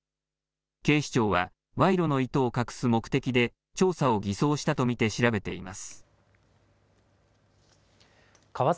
警視庁は、賄賂の意図を隠す目的で、調査を偽装したと見て調べています。